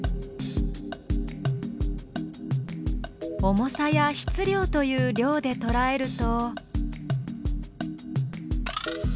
「重さ」や「質量」という「量」でとらえると。